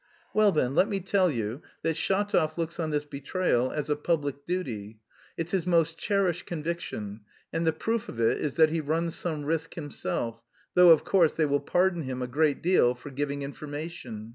"Well then, let me tell you that Shatov looks on this betrayal as a public duty. It's his most cherished conviction, and the proof of it is that he runs some risk himself; though, of course, they will pardon him a great deal for giving information.